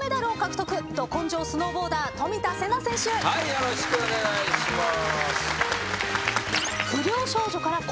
よろしくお願いします。